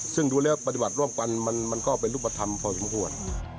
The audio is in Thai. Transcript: ซึ่งดูแล้วปฏิบัติร่วมกันมันก็เป็นรูปธรรมพอสมควร